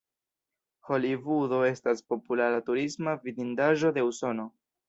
Holivudo estas populara turisma vidindaĵo de Usono.